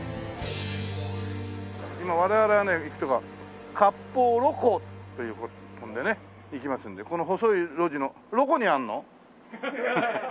今我々がね行くとこは「割烹露瑚」という行きますんでこの細い路地のろこにあるの？